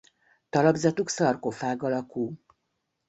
Talapzatuk szarkofág alakú.